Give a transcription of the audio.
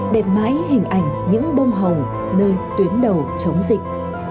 để mãi hình ảnh những bông hồng nơi tuyến đầu chống dịch